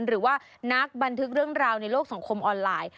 หรือว่านักบันทึกเรื่องราวในโลกสังคมออนไลน์